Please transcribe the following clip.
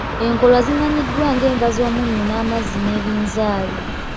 Enkolwa zimanyiddwa ng'enva z’omunnyu n’amazzi n’ebinzaali.